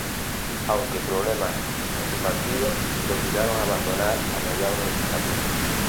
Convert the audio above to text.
Aunque problemas en su partido le obligaron a abandonar a mediados de legislatura.